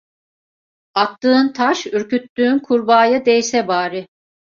Attığın taş, ürküttüğün kurbağaya değse bari!